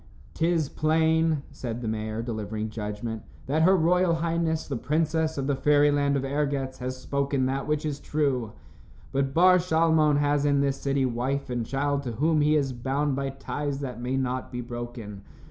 "'Tis plain," said the mayor, delivering judgment, "that her royal highness, the princess of the Fairyland of Ergetz, has spoken that which is true. But Bar Shalmon has in this city wife and child to whom he is bound by ties that may not be broken.